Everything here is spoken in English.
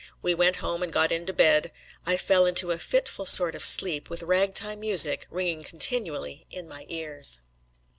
We went home and got into bed. I fell into a fitful sort of sleep, with ragtime music ringing continually in my ears.